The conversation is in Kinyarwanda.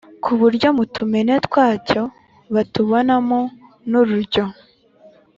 ku buryo mu tumene twacyo batabonamo n’urujyo,